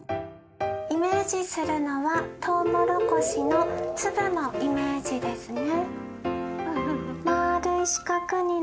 イメージするのはトウモロコシの粒のイメージですね。